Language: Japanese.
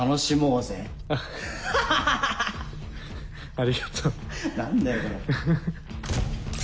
ありがとう。何だよこれ。